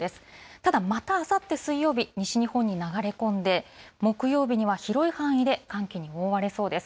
ただ、またあさって水曜日、西日本に流れ込んで、木曜日には広い範囲で寒気に覆われそうです。